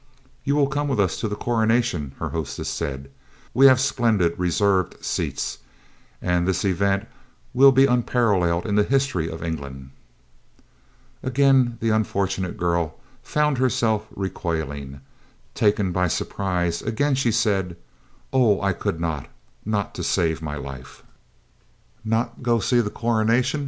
"You will come with us to the Coronation?" her hostess said; "we have splendid reserved seats, and this event will be unparalleled in the history of England." Again the unfortunate girl found herself recoiling, taken by surprise; again she said: "Oh, I could not! Not to save my life!" "Not go to see the Coronation!